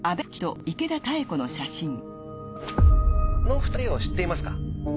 この２人を知っていますか？